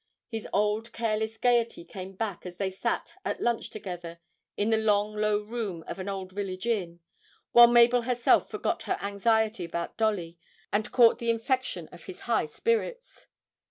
His old careless gaiety came back as they sat at lunch together in the long low room of an old village inn, while Mabel herself forgot her anxiety about Dolly and caught the infection of his high spirits.